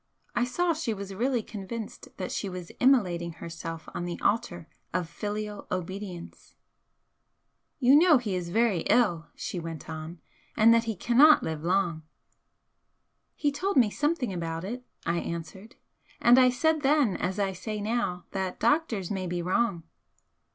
I saw she was really convinced that she was immolating herself on the altar of filial obedience. "You know he is very ill," she went on "and that he cannot live long?" "He told me something about it," I answered "and I said then, as I say now, that the doctors may be wrong."